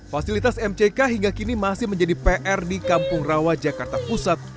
fasilitas mck hingga kini masih menjadi pr di kampung rawa jakarta pusat